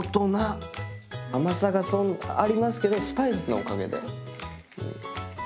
甘さがありますけどスパイスのおかげでうん。